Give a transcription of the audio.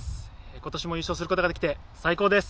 今年も優勝することができて最高です。